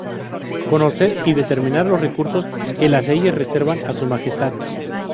Conocer y determinar los recursos que las leyes reservan a su majestad.